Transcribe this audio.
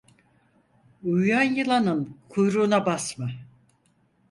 Uyuyan yılanın kuyruğuna basma.